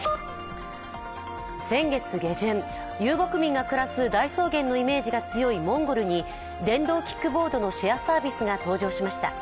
先月下旬、遊牧民が暮らす大草原のイメージが強いモンゴルに電動キックボードのシェアサービスが登場しました。